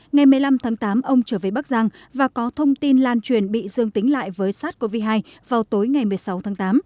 ngày một mươi năm tháng tám ông trở về bắc giang và có thông tin lan truyền bị dương tính lại với sars cov hai vào tối ngày một mươi sáu tháng tám